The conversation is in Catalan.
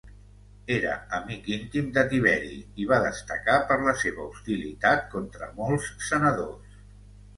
Era amic íntim de Tiberi i va destacar per la seva hostilitat contra molts senadors.